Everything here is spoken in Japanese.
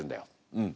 うん。